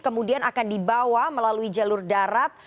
kemudian akan dibawa melalui jalur darat